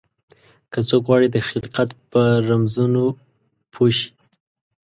که څوک غواړي د خلقت په رمزونو پوه شي.